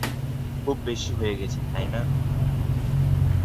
খুব বেশি হয়ে গেছে, তাই না?